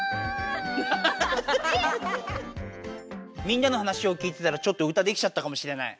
みんなの話を聞いてたらちょっと歌できちゃったかもしれない。